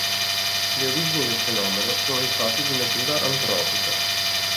Le origini del fenomeno sono infatti di natura antropica.